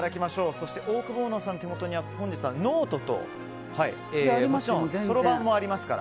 そしてオオクボーノさんの手元には本日はノートともちろんそろばんもありますから。